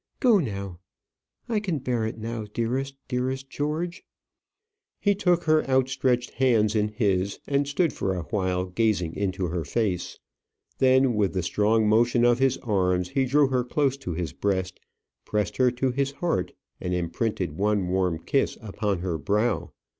Go now. I can bear it now; dearest, dearest George." He took her outstretched hands in his, and stood for awhile gazing into her face. Then, with the strong motion of his arms, he drew her close to his breast, pressed her to his heart, and imprinted one warm kiss upon her brow.